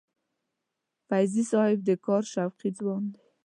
فیضي صاحب د کار شوقي ځوان دی.